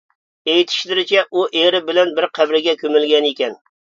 ئېيتىشلىرىچە، ئۇ ئېرى بىلەن بىر قەبرىگە كۆمۈلگەنىكەن.